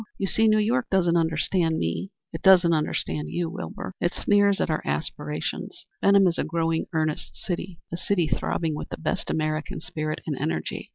You see, New York doesn't understand me; it doesn't understand you, Wilbur. It sneers at our aspirations. Benham is a growing, earnest city a city throbbing with the best American spirit and energy.